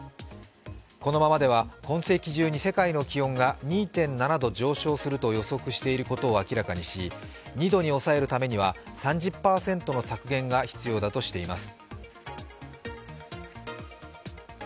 このままでは今世紀中に世界の気温が２．７度上昇すると予測していることを明らかにし、２度に抑えるためには３０％の削減が必要だとしています。